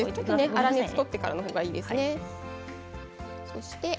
粗熱を取ってからの方がいいですね。